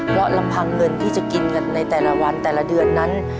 เพราะลำพังเงินที่จะกินเงินในแต่ละวันแต่ละเดือนนั้น